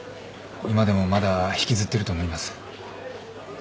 今でもまだ引きずってると思います。